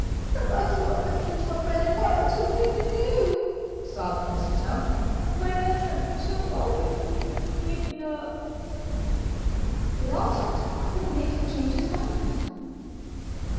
"He'll lock you up, and feed you on bread and water till you do oo oo!" sobbed Mistletoe; "and by that time we shall all be ea ea eaten up!" "But I'll talk to papa, and make him change his mind."